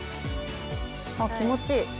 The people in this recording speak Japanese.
あっ気持ちいい。